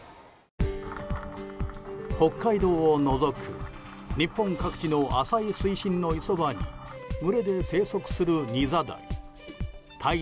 北海道を除く日本各地の浅い水深の磯場に群れで生息するニザダイ。